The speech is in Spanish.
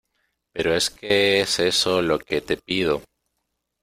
pero es que es eso lo que te pido.